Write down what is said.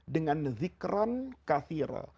dengan zikran kathir